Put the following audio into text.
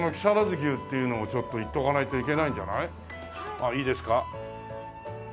ああいいですか？